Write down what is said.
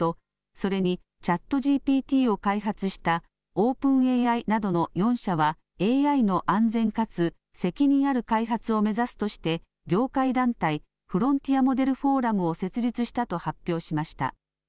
それにＣｈａｔＧＰＴを開発したオープンＡＩなどの４社はＡＩの安全かつ責任ある開発を目指すとして業界団体フロンティア・モデル・フォーラムを設立したと発表しました。